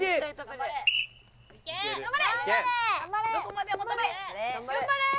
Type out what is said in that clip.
頑張れー！